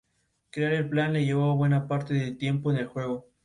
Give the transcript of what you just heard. Estudió en el Colegio San Juan Evangelista su educación primaria y secundaria.